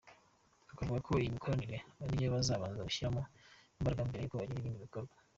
Akavuga ko iyi mikoranire ariyo bazabanza gushyiramo imbaraga, mbere y’uko hagira ibindi bikorwa.